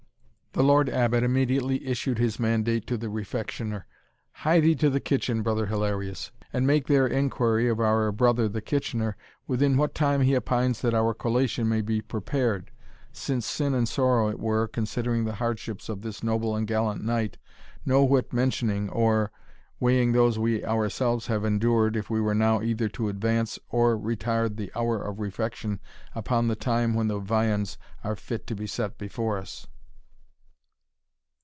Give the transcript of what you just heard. The Lord Abbot immediately issued his mandate to the Refectioner: "Hie thee to the kitchen, Brother Hilarius, and there make inquiry of our brother the Kitchener, within what time he opines that our collation may be prepared, since sin and sorrow it were, considering the hardships of this noble and gallant knight, no whit mentioning or weighing those we ourselves have endured, if we were now either to advance or retard the hour of refection beyond the time when the viands are fit to be set before us."